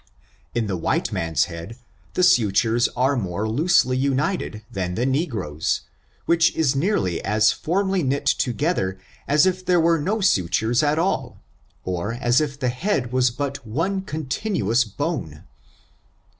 49 In the white man's head, the sutures are more loosely united than the negro's, which is nearly as firmly knit together as if there were no sutures at all, or as if the head was but one continued bone.